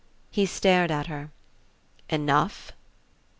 He stared at her. "Enough